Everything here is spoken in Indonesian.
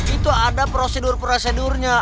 itu ada prosedur prosedurnya